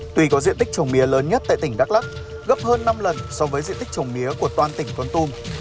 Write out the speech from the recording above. tuy có diện tích trồng mía lớn nhất tại tỉnh đắk lắc gấp hơn năm lần so với diện tích trồng mía của toàn tỉnh con tum